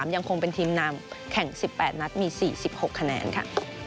ยังคงเป็นทีมนำแข่ง๑๘นัดมี๔๖คะแนนค่ะ